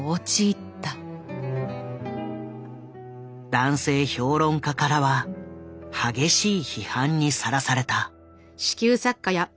男性評論家からは激しい批判にさらされた。